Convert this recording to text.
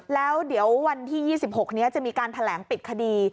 แล้วเดี๋ยววันที่๒๖นี้จะมีการแถลงปิดคดี